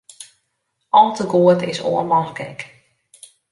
Al te goed is oarmans gek.